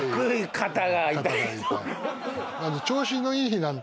肩が痛い。